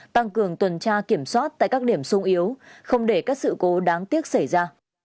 tăng cường tuần tra kiểm soát tại các điểm sung yếu không để các sự cố đáng tiếc xảy ra